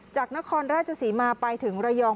จากนครราชศรีมาไปถึงระยอง